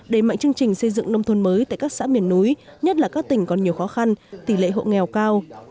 đẩy mạnh chương trình xây dựng nông thôn mới tại các xã miền núi nhất là các tỉnh còn nhiều khó khăn tỷ lệ hộ nghèo cao